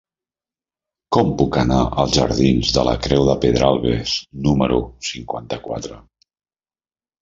Com puc anar als jardins de la Creu de Pedralbes número cinquanta-quatre?